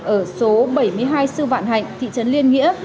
ở số bảy mươi hai sư vạn hạnh thị trấn liên nghĩa